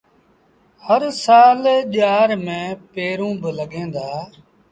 هر سآل ڄآر ميݩ پيٚنرون با لڳيٚن دآ۔